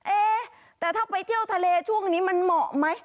เอ๊ะแต่ถ้าไปเที่ยวทะเลช่วงนี้มันเหมาะไหม